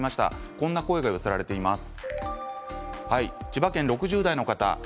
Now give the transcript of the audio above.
こんな声が寄せられています。